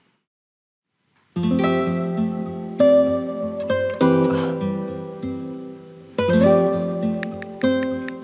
อริสดีครับ